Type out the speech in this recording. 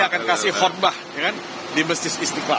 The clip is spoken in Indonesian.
jadi ya dia akan kasih khutbah di besis istiqlal